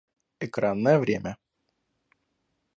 Экранное время